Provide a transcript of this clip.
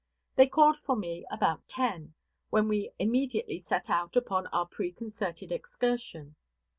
They called for me about ten, when we immediately set out upon our preconcerted excursion.